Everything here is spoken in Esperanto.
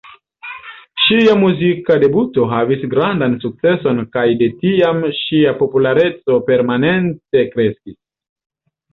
Ŝia muzika debuto havis grandan sukceson kaj de tiam ŝia populareco permanente kreskis.